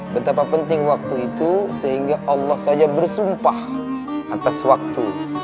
betapa penting waktu itu sehingga allah saja bersumpah atas waktu